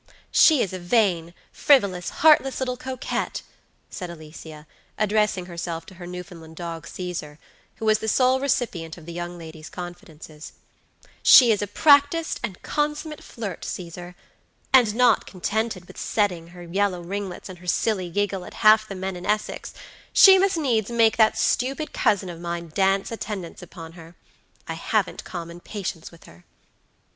"She is a vain, frivolous, heartless little coquette," said Alicia, addressing herself to her Newfoundland dog Caesar, who was the sole recipient of the young lady's confidences; "she is a practiced and consummate flirt, Caesar; and not contented with setting her yellow ringlets and her silly giggle at half the men in Essex, she must needs make that stupid cousin of mine dance attendance upon her. I haven't common patience with her."